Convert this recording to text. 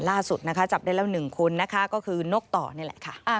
ล่าสุดนะคะจับได้แล้ว๑คนนะคะก็คือนกต่อนี่แหละค่ะ